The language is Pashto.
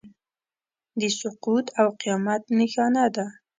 د سقوط او قیامت نښانه ده.